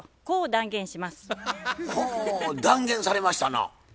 ほう断言されましたな。